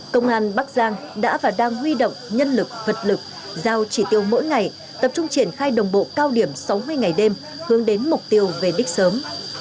công an bắc giang đã và đang huy động nhân lực vật lực giao chỉ tiêu mỗi ngày tập trung triển khai đồng bộ cao điểm sáu mươi ngày đêm hướng đến mục tiêu về đích sớm